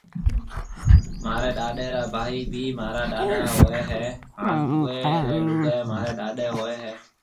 مهاريَ ڏاڏيَ رآ ڀائِي ڀِي مهارا ڏاڏا هوئيَ هيَ هانَ اُئان ريَ لُگائيَ مهاريَ ڏاڏيَ هوئيَ هيَ۔